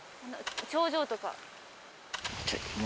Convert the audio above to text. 頂上とか。